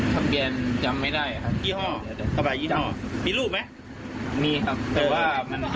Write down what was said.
สะเบียนจำไม่ได้ครับที่ห้อกระบะยี่นอดมีลูกไหมมีครับ